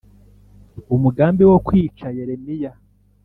Umugambi wo kwica yeremiya